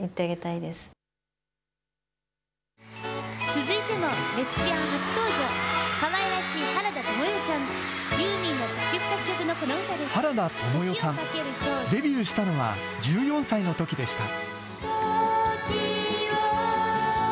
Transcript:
続いては、レッツヤン初登場、かわいらしい原田知世ちゃん、原田知世さん、デビューしたのは、１４歳のときでした。